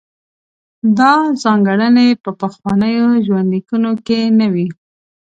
دا ځانګړنې په پخوانیو ژوندلیکونو کې نه وې.